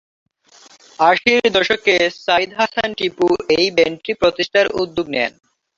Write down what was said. আশির দশকে সাইদ হাসান টিপু এই ব্যান্ডটি প্রতিষ্ঠার উদ্যোগ নেন।